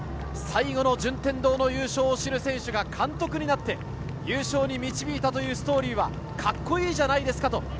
最後の順天堂の優勝を知る選手が監督になって、優勝に導いたというストーリーはカッコいいじゃないですか。